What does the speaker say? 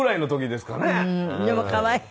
でも可愛い。